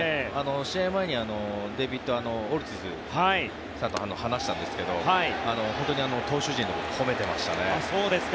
試合前にデビッド・オルティズさんと話したんですけど投手陣のことを褒めてましたね。